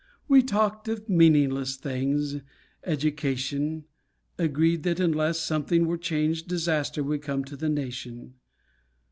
We talked of meaningless things, education, Agreed that unless, Something were changed disaster would come to the nation.